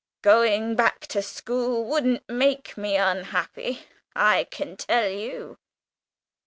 Going back to school wouldn't make me unhappy, I can tell you."